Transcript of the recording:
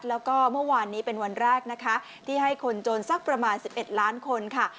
แล้วก็เมื่อวานนี้เป็นวันแรกนะคะที่ให้คนจนสักประมาณ๑๑ล้านคนค่ะ